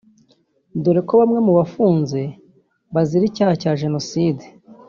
dore ko bamwe mu bafunze bazira icyaha cya jenoside